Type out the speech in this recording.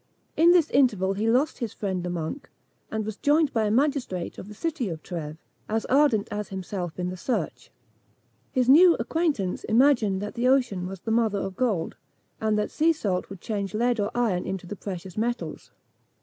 In this interval he lost his friend the monk, and was joined by a magistrate of the city of Trèves, as ardent as himself in the search. His new acquaintance imagined that the ocean was the mother of gold, and that sea salt would change lead or iron into the precious metals.